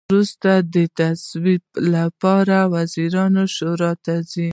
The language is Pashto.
وروسته د تصویب لپاره وزیرانو شورا ته ځي.